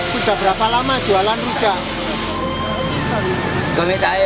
sudah berapa lama jualan rujak